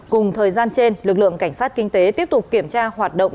cùng thời gian trên lực lượng cảnh sát kinh tế tiếp tục kiểm tra hoạt động